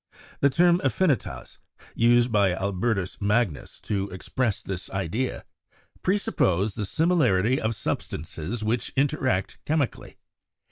The term "affinitas," used by Albertus Magnus to express this idea, presupposed the similarity of substances which interact chemically.